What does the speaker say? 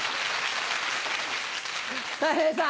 たい平さん。